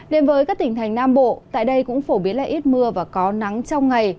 đến với các tỉnh thành nam bộ tại đây cũng phổ biến là ít mưa và có nắng trong ngày